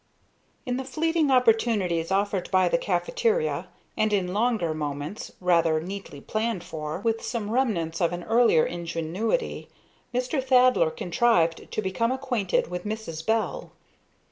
In the fleeting opportunities offered by the Caffeteria, and in longer moments, rather neatly planned for, with some remnants of an earlier ingenuity, Mr. Thaddler contrived to become acquainted with Mrs. Bell.